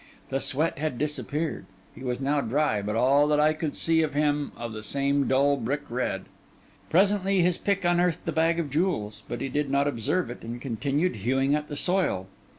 The sweat had disappeared; he was now dry, but all that I could see of him, of the same dull brick red. Presently his pick unearthed the bag of jewels; but he did not observe it, and continued hewing at the soil.